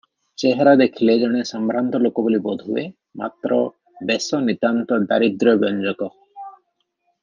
ଚେହେରା ଦେଖିଲେ ଜଣେ ସମ୍ଭ୍ରାନ୍ତ ଲୋକ ବୋଲି ବୋଧ ହୁଏ; ମାତ୍ର ବେଶ ନିତାନ୍ତ ଦାରିଦ୍ର୍ୟବ୍ୟଞ୍ଜକ ।